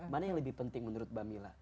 mana yang lebih penting menurut mbak mila